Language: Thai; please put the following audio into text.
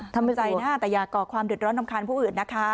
ทำไมตัวขอบใจนะแต่อย่าก่อความเด็ดร้อนต่ำคาญผู้อื่นนะคะ